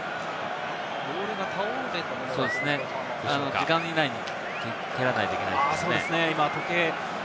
時間以内に蹴らないといけないですね。